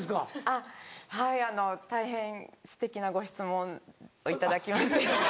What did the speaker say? あっはい大変すてきなご質問を頂きまして。